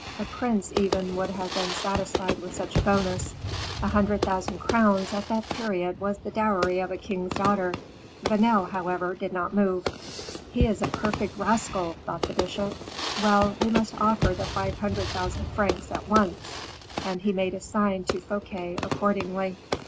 A prince, even, would have been satisfied with such a bonus. A hundred thousand crowns at that period was the dowry of a king's daughter. Vanel, however, did not move. "He is a perfect rascal!" thought the bishop, "well, we must offer the five hundred thousand francs at once," and he made a sign to Fouquet accordingly.